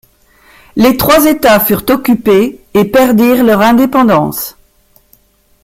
Les trois États furent occupées et perdirent leur indépendance.